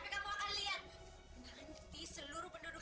eh apa yang lu ketawa